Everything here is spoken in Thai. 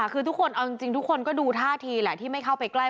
คือทุกคนเอาจริงทุกคนก็ดูท่าทีแหละที่ไม่เข้าไปใกล้